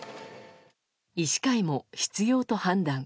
医師会も必要と判断。